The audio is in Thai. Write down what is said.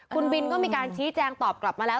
คุณบินก็มีการชี้แจงตอบกลับมาแล้ว